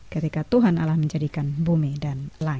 ketika tuhan allah menjadikan bumi dan langit